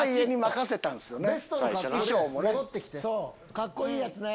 カッコいいやつね。